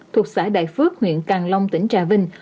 thuộc xã đại phước huyện càng long tỉnh trà vinh